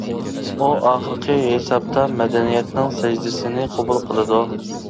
ئۇ ئاخىرقى ھېسابتا مەدەنىيەتنىڭ سەجدىسىنى قوبۇل قىلىدۇ.